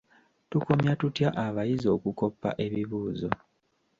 Tukomya tutya abayizi okukoppa ebibuuzo.